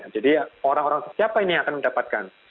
jadi orang orang siapa ini yang akan mendapatkan